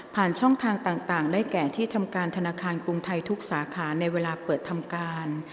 ช่องทางต่างได้แก่ที่ทำการธนาคารกรุงไทยทุกสาขาในเวลาเปิดทำการ